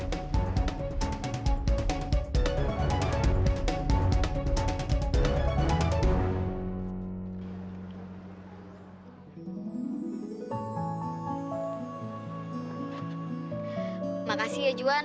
jangan lupa subscribe channel ini